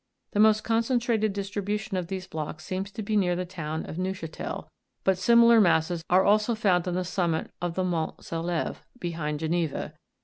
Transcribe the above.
The most concentrated distribution of these blocks seems to be near the town of Neuchatel, but similar masses are also found on the summit of the Mont Saleve, behind Geneva.